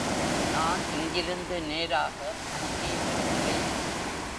நான் இங்கிருந்து நேராக அங்கே வருகிறேன்.